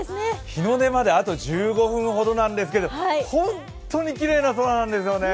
日の出まであと１５分ぐらいなんですけど本当にきれいな空なんですよね。